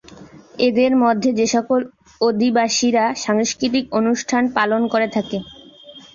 এদের মধ্যে যেসকল আদিবাসীরা সাংস্কৃতিক অনুষ্ঠান পালন করে থাকে।